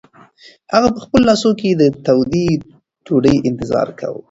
هغه په خپلو لاسو کې د تودې ډوډۍ انتظار کاوه.